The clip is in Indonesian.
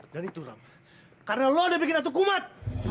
dan itu ram karena lo udah bikin ratu kumat